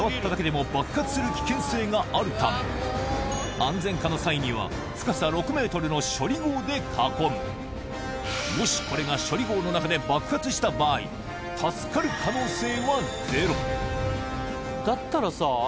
安全化の際にはで囲むもしこれが処理壕の中で爆発した場合助かる可能性はゼロだったらさあ